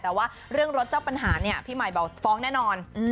แต่ว่าเรื่องรถเจ้าปัญหาเนี่ยพี่ใหม่บอกฟ้องแน่นอน